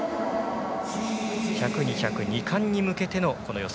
１００、２００２冠に向けての予選。